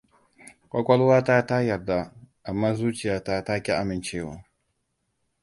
Ƙwaƙwalwata ta yarda, amma zuciyata ta ƙi amincewa.